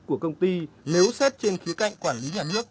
của công ty nếu xét trên khía cạnh quản lý nhà nước